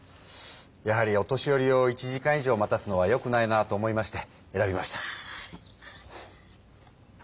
やはりお年寄りを１時間以上待たすのはよくないなと思いまして選びました。